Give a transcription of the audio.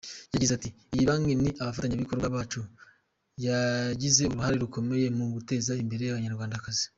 Yagize ati “Iyi banki ni abafatanyabikorwa bacu, yagize uruhare rukomeye mu guteza imbere umunyarwandakazi.